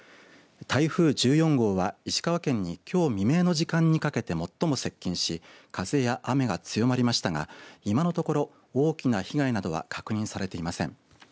台風１４号は石川県にきょう未明の時間にかけて最も接近し風や雨が強まりましたが今のところ大きな被害などは確認されていません。